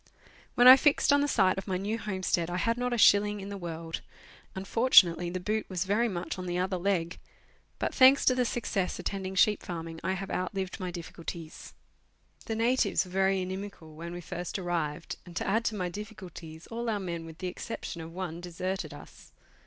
When I fixed on the site of my new homestead I had not a shilling in the world ; unfortunately, the boot was very much on the other leg, but thanks to the success attending sheep farming I have outlived my difficulties. The natives were very inimical when we first arrived, and, to add to my difficulties, all our men with the exception of one deserted us.